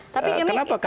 kenapa kpu dilaporkan